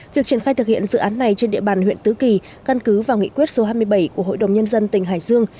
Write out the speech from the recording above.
việc triển khai thực hiện dự án này trên địa bàn huyện tứ kỳ căn cứ vào nghị quyết số hai mươi bảy của hội đồng nhân dân tỉnh hải dương